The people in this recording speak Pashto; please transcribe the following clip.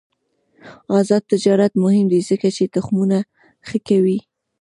آزاد تجارت مهم دی ځکه چې تخمونه ښه کوي.